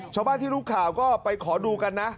ชาวบ้านที่รู้ข่าวก็ไปขอดูกันนะ